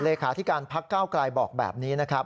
เลขาธิการพักก้าวกลายบอกแบบนี้นะครับ